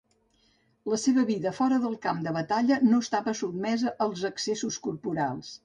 La seva vida fora del camp de batalla no estava sotmesa als excessos corporals.